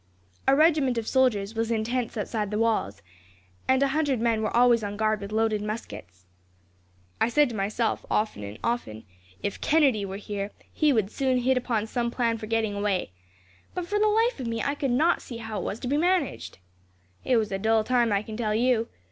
A regiment of soldiers was in tents outside the walls, and a hundred men were always on guard with loaded muskets. "I said to myself, often and often, 'If Kennedy were here, he would soon hit upon some plan for getting away;' but for the life of me, I could not see how it was to be managed. It was a dull time, I can tell you.